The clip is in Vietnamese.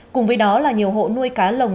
cùng với đó là nhiều hộ nuôi cá lồng